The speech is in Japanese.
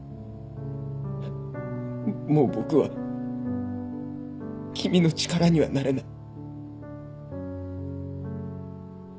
もう僕は君の力にはなれない。